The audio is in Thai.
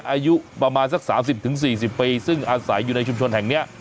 อายุประมาณสักสามสิบถึงสี่สิบปีซึ่งอาศัยอยู่ในชุมชนแห่งเนี้ย